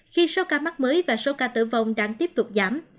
khi số ca mắc mới và số ca tử vong đang tiếp tục giảm